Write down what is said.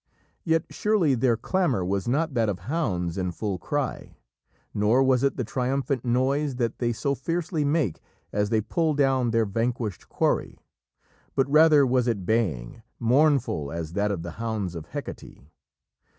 Yet surely their clamour was not that of hounds in full cry, nor was it the triumphant noise that they so fiercely make as they pull down their vanquished quarry, but rather was it baying, mournful as that of the hounds of Hecate.